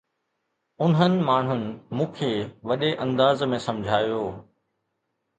انهن ماڻهن مون کي وڏي انداز ۾ سمجھايو